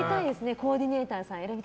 コーディネーターさん。